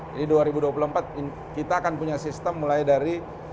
jadi dua ribu dua puluh empat kita akan punya sistem mulai dari